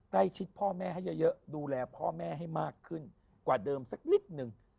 ใกล้ชิดพ่อแม่ให้เยอะดูแลพ่อแม่ให้มากขึ้นกว่าเดิมสักนิดนึง